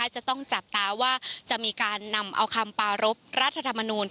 จะต้องจับตาว่าจะมีการนำเอาคำปารพรัฐธรรมนูล